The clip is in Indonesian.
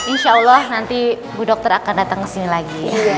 insya allah nanti bu dokter akan datang kesini lagi